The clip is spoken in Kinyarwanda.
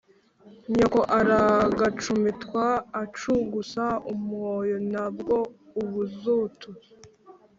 nyoko aragacu mitwa ac ugusa umwoyo na bwo ubuzutu